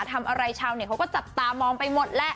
ทำอะไรย่าเหงียงเขาก็จับตามองไปหมดแหละ